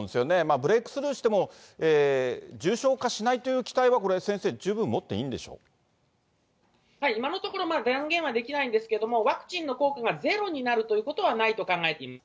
ブレークスルーしても、重症化しないという期待は先生、はい、今のところ、断言はできないんですけれども、ワクチンの効果がゼロになるということはないと考えていいです。